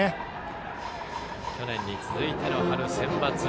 去年に続いての春センバツ。